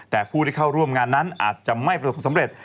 แต่ผู้ที่เข้าร่วมงานนั้นอาจจะไม่ประสบความสำเร็จ